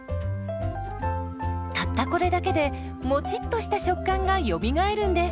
たったこれだけでもちっとした食感がよみがえるんです。